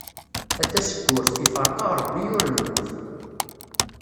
A tasekkurt, ifreq-aɣ Rebbi ur nemmut.